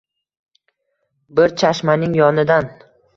Bir chashmaning yonidan.